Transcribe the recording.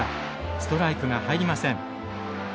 ストライクが入りません。